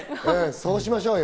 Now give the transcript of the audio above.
そうしましょうよ。